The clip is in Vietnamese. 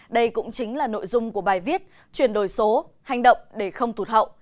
đây cũng chính là nội dung của bài viết chuyển đổi số hành động để không thụt hậu